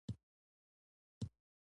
تر باغ پل راتېر شولو.